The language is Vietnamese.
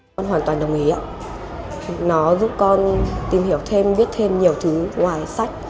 con hoàn toàn đồng ý ạ nó giúp con tìm hiểu thêm biết thêm nhiều thứ ngoài sách